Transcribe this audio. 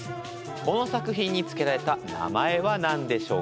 この作品に付けられた名前は何でしょうか？